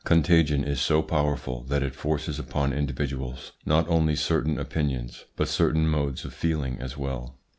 Contagion is so powerful that it forces upon individuals not only certain opinions, but certain modes of feeling as well.